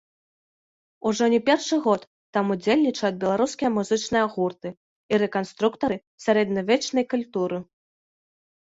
Ужо не першы год там удзельнічаюць беларускія музычныя гурты і рэканструктары сярэднявечнай культуры.